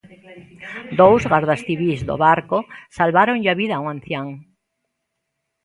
Dous gardas civís do Barco salváronlle a vida a un ancián.